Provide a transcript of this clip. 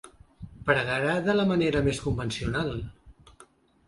Pregarà de la manera més convencional.